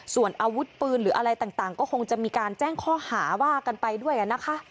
ส่วนอาวุธปืนหรืออะไรต่างก็คงจะมีการแจ้งข้อหาว่ากันไปด้วยนะคะ